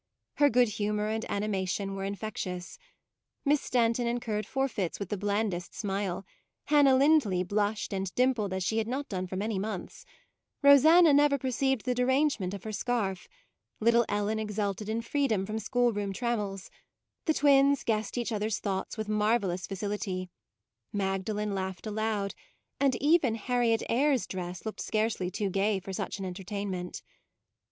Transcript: Her good humour and anima tion were infectious. Miss Stanton incurred forfeits with the blandest smile; Hannah Lindley blushed and dimpled as she had not done for many months; Rosanna never per ceived the derangement of her scarf; little Ellen exulted in freedom from schoolroom trammels; the twins guessed each other's thoughts with marvellous facility; Magdalen laugh ed aloud; and even Harriet Eyre's dress looked scarcely too gay for such an entertainment.